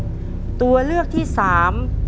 คุณยายแจ้วเลือกตอบจังหวัดนครราชสีมานะครับ